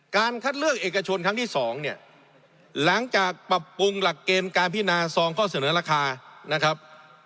คัดเลือกเอกชนครั้งที่สองเนี่ยหลังจากปรับปรุงหลักเกณฑ์การพินาซองข้อเสนอราคานะครับ